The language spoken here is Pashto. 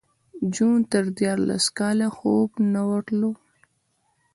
جون ته دیارلس کاله خوب نه ورتلو